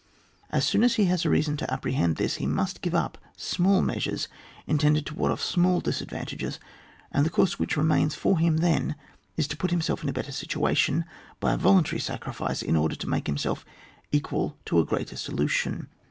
As soon as he has reason to apprehend this, he must give up small measures intended to ward off small disadvantages; and the course which remains for him then is to put himself in a better situation, by a voluntary sacrifice, in order to make him self equal to a greater solution.